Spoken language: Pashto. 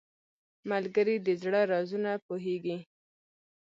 ملګری د زړه رازونه پوهیږي